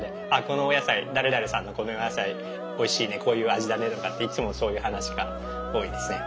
このお野菜誰々さんのこのお野菜おいしいねこういう味だねとかっていつもそういう話が多いですね。